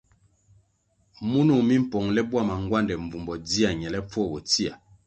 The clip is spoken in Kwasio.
Munung mi mpongle bwama ngwande mbvumbo dzia ñelepfuo bo tsia.